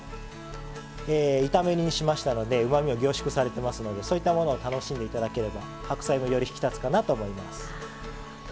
炒め煮にしましたのでうまみが凝縮されてますのでそういったものを楽しんで頂ければ白菜もより引き立つかなと思います。